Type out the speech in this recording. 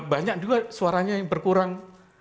banyak juga suaranya yang berkurang